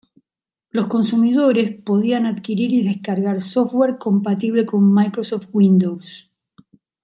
Los consumidores podían adquirir y descargar software compatible con Microsoft Windows.